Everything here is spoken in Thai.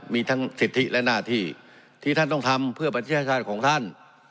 มีทั้งสิทธิและหน้าที่ที่ท่านต้องทำเพื่อประเทศชาติของท่าน